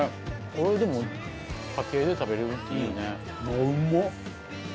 これでも家庭で食べれるっていいね。